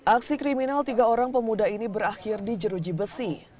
aksi kriminal tiga orang pemuda ini berakhir di jeruji besi